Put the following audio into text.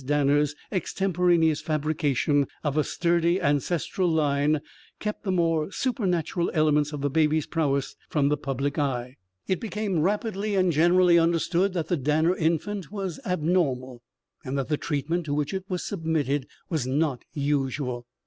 Danner's extemporaneous fabrication of a sturdy ancestral line kept the more supernatural elements of the baby's prowess from the public eye. It became rapidly and generally understood that the Danner infant was abnormal and that the treatment to which it was submitted was not usual.